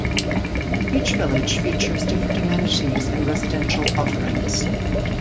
Each village features different amenities and residential offerings.